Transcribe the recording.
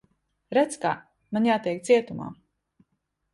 Redz, kā. Man jātiek cietumā.